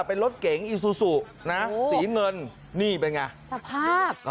เป็นรถเก๋งอีซูซูนะสีเงินนี่เป็นไงสภาพ